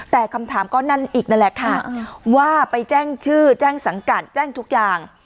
แต่คำถามก็นั่นอีกนั่นแหละค่ะว่าไปแจ้งชื่อแจ้งสังกัดแจ้งทุกอย่าง